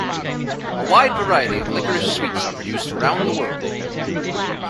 A wide variety of liquorice sweets are produced around the world.